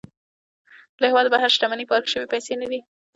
له هېواده بهر شتمني پارک شوې پيسې نه دي.